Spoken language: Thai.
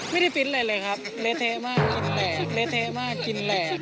ไม่ได้พิสอะไรเลยครับเลเทมากเลเทมากกินแหล่ง